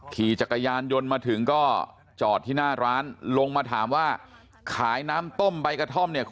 ขี่จักรยานยนต์มาถึงก็จอดที่หน้าร้านลงมาถามว่าขายน้ำต้มใบกระท่อมเนี่ย